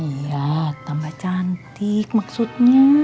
iya tambah cantik maksudnya